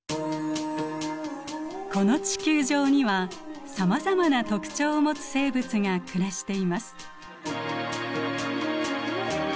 この地球上にはさまざまな特徴を持つ生物が暮らしています。